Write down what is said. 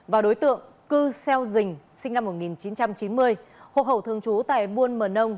và đối tượng cư xeo dình sinh năm một nghìn chín trăm chín mươi hộ khẩu thường trú tại buôn mờ nông